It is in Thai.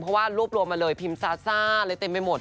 เพราะว่ารวบรวมมาเลยพิมพ์ซาซ่าอะไรเต็มไปหมด